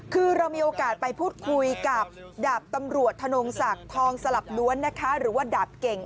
คือเรามีโอกาสไปพูดคุยกับดาบตำรวจธนงศักดิ์ทองสลับล้วนนะคะหรือว่าดาบเก่ง